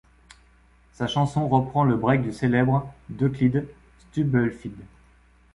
Sa chanson ', reprend le break du célèbre ' de Clyde Stubblefield.